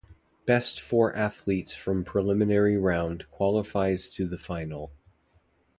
Best four athletes from preliminary round qualifies to the final.